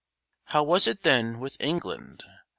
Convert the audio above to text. How was it then with England?